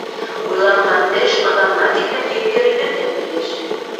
Уйланған эш аҙағына тиклем еткерелергә тейеш.